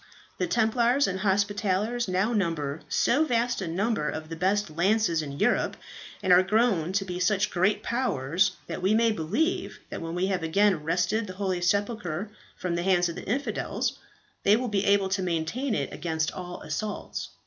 The Templars and Hospitallers now number so vast a number of the best lances in Europe, and are grown to be such great powers, that we may believe that when we have again wrested the holy sepulchre from the hands of the infidels they will be able to maintain it against all assaults.